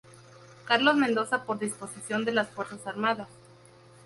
Carlos Mendoza por disposición de las Fuerzas Armadas.